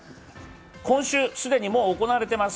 今週、既にもう行われています。